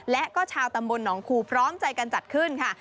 และก็ชาวตำบลหนองคูพร้อมใจกันจัดขึ้นค่ะ